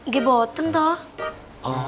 gak ada tombol